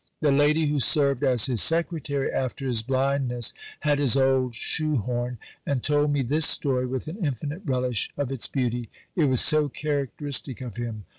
The lady who served as his secretary after his blindness had his old shoe horn, and told me this story with an infinite relish of its beauty. It was so characteristic of him.